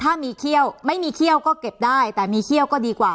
ถ้ามีเขี้ยวไม่มีเขี้ยวก็เก็บได้แต่มีเขี้ยวก็ดีกว่า